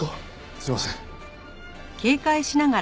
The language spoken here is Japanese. すいません。